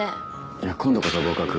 いや「今度こそ合格！！」